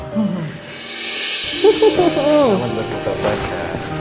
selamat berbuka puasa